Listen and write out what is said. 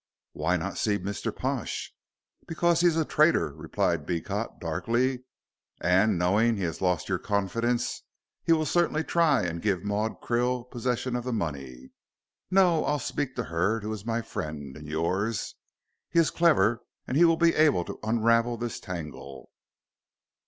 "Why not see Mr. Pash?" "Because he is a traitor," replied Beecot, darkly, "and, knowing he has lost your confidence, he will certainly try and give Maud Krill possession of the money. No, I'll speak to Hurd, who is my friend and yours. He is clever and will be able to unravel this tangle."